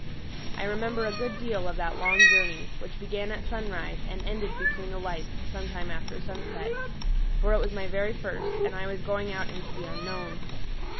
I remember a good deal of that long journey, which began at sunrise and ended between the lights some time after sunset; for it was my very first, and I was going out into the unknown.